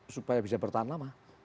supaya bisa bertahan lama